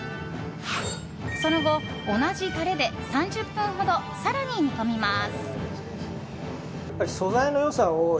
その後、同じタレで３０分ほど更に煮込みます。